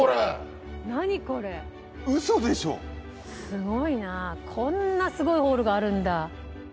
すごいなこんなすごいホールがあるんだ。